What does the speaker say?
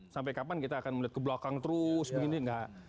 sampai kapan kita akan melihat ke belakang terus begini enggak